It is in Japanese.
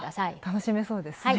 楽しめそうですね。